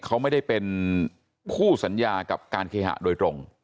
เขาไม่ได้เป็นคู่สัญญากับการเคหะโดยตรง